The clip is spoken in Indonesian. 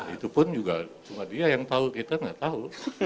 itu pun juga cuma dia yang tahu kita nggak tahu